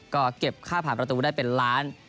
ก็เก็บค่าผ่านประตูได้เป็นล้าน